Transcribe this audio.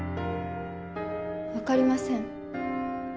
分かりません。